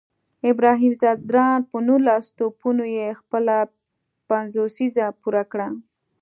ابراهیم ځدراڼ په نولس توپونو یې خپله پنځوسیزه پوره کړه